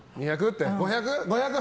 ５００？